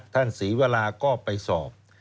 ท่านศรีเวลาก็ไปสอบ